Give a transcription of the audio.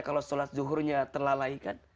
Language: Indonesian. kalau sholat zuhurnya terlalaikan